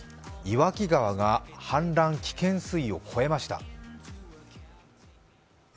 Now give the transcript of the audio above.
岩木川が氾濫危険水位を超えました。